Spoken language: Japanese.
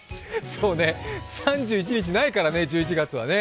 そうね、３１日はないからね、１１月は。